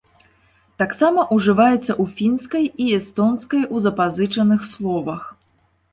Таксама ўжываецца ў фінскай і эстонскай у запазычаных словах.